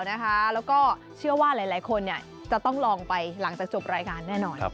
แล้วก็เชื่อว่าหลายคนจะต้องลองไปหลังจากจบรายการแน่นอน